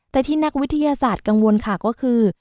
แต่ที่นักวิทยาศาสตร์กังวลค่ะก็คือ